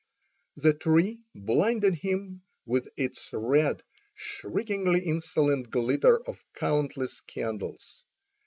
The tree blinded him with its red, shriekingly insolent glitter of countless candles.